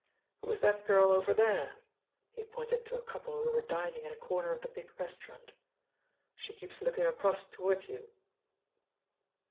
"Who is that girl over there?" he pointed to a couple who were dining in a corner of the big restaurant. "She keeps looking across toward you."